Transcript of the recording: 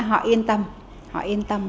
họ yên tâm họ yên tâm